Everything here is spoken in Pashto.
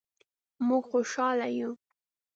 مونږ خوشحاله یو